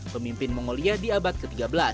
pemimpin mongolia di abad ke tiga belas